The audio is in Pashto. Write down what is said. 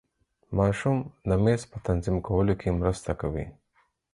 ماشوم د میز په تنظیم کولو کې مرسته کوي.